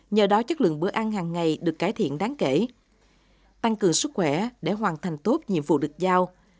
nhờ đó chất lượng bữa ăn hàng ngày được cải thiện đáng kể tăng cường sức khỏe để hoàn thành tốt nhiệm vụ được giao